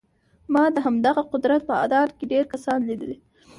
ما د همدغه قدرت په اډانه کې ډېر کسان ليدلي.